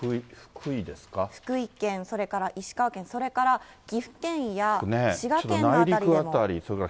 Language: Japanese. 福井県、それから石川県、それから岐阜県や滋賀県の辺りでも。